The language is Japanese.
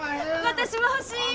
私も欲しい！